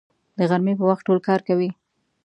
د غرمې په وخت ټول کار کوي